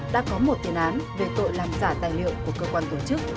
đã có một tiền án về tội làm giả tài liệu của cơ quan tổ chức